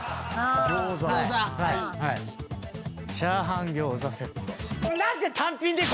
チャーハン餃子セット。